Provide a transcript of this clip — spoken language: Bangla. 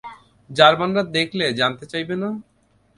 জার্মানরা দেখলে জানতে চাইবে না?